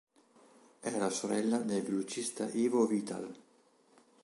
È la sorella del velocista Ivo Vital.